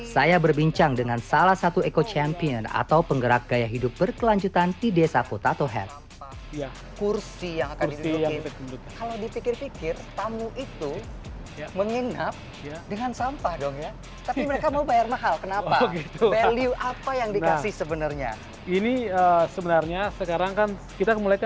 saya berbincang dengan salah satu eco champion atau penggerak gaya hidup berkelanjutan di desa potato head